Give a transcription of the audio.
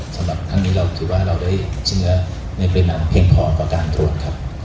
สำหรับข้างนี้ฉุดว่าเราได้ชิ้นเนื้อในเปรียบนั้นเพียงพอกว่าการตรวจนะครับ